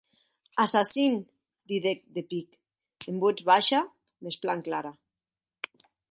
Assassin, didec de pic, en votz baisha mès plan clara.